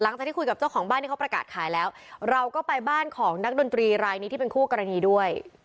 หลังจากที่คุยกับเจ้าของบ้านที่เขาประกาศขายแล้วเราก็ไปบ้านของนักดนตรีรายนี้ที่เป็นคู่กรณีด้วย